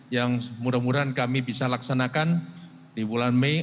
yang mudah mudahan kami bisa laksanakan di bulan mei